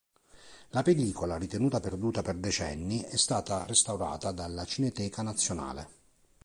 La pellicola, ritenuta perduta per decenni, è stata restaurata dalla Cineteca Nazionale.